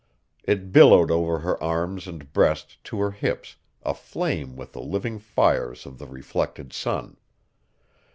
It billowed over her arms and breast to her hips, aflame with the living fires of the reflected sun.